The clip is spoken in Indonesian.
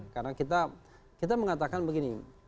karena kita mengatakan begini